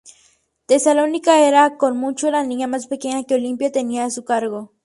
Tesalónica era, con mucho, la niña más pequeña que Olimpia tenía a su cargo.